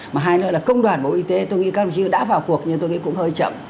mà hai nữa là công đoàn bộ y tế tôi nghĩ các đồng chí đã vào cuộc nhưng tôi nghĩ cũng hơi chậm